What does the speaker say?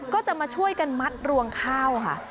ก็จะมาช่วยกันมัดรวงข้าวค่ะ